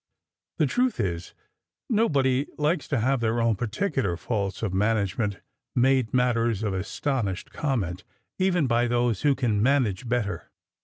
The truth is, no body likes to have her own particular faults of manage ment made matters of astonished comment, even by those who can manage better.